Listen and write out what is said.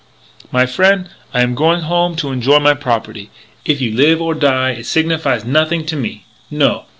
My frien', I am going home to enjoy my property. If you live or die it signifies nothing to me. No!